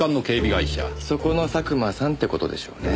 そこの佐久間さんって事でしょうね。